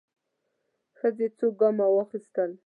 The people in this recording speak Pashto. ښځې څو ګامه واخيستل.